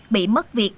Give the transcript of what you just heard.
bị mất việc